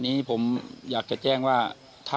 ๓๖ลุงพลแม่ตะเคียนเข้าสิงหรือเปล่า